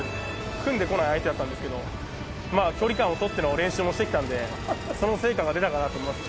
組んでこない相手だったけどまあ距離感を取っての練習もしてきたんでその成果が出たかなと思います